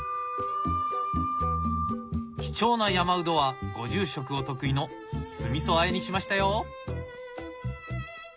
貴重なヤマウドはご住職お得意の酢みそあえにしましたよ。